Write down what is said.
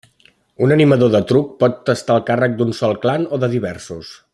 Un Animador de Truc pot estar al càrrec d’un sol Clan o de diversos.